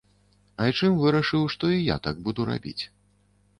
Айчым вырашыў, што і я так буду рабіць.